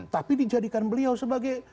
tapi dijadikan beliau sebagai